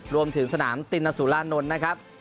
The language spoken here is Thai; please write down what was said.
รวมถึงสนามตินสุรานนท์นะครับ